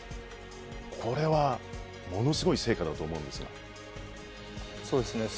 これは、ものすごい成果だとそうですね。